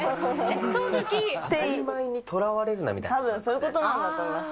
当たり前にとらわれるなみたたぶん、そういうことなんだと思います。